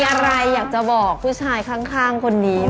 มีอะไรอยากจะบอกผู้ชายข้างคนนี้